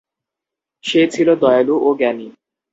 সে ছিল দয়ালু ও জ্ঞানী।